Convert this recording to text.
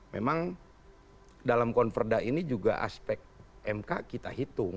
memang dalam konverda ini juga aspek mk kita hitung